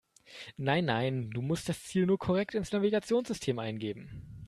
Nein, nein, du musst das Ziel nur korrekt ins Navigationssystem eingeben.